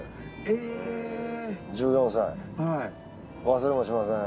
忘れもしません。